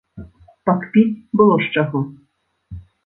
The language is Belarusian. Пакпіць было з чаго!